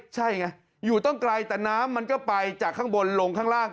ใช่ไงอยู่ต้องไกลแต่น้ำมันก็ไปจากข้างบนลงข้างล่าง